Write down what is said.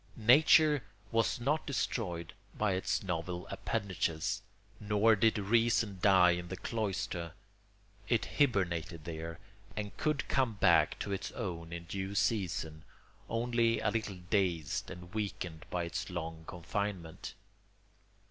Nature was not destroyed by its novel appendages, nor did reason die in the cloister: it hibernated there, and could come back to its own in due season, only a little dazed and weakened by its long confinement.